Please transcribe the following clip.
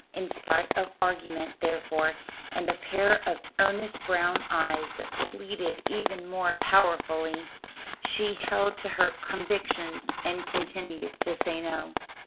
In spite of argument, therefore, and a pair of earnest brown eyes that pleaded even more powerfully, she held to her convictions and continued to say no.